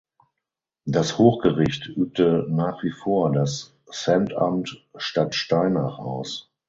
Das Hochgericht übte nach wie vor das Centamt Stadtsteinach aus.